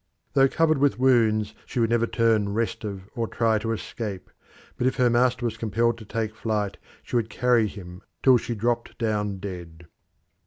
Though covered with wounds, she would never turn restive or try to escape, but if her master was compelled to take to flight she would carry him till she dropped down dead.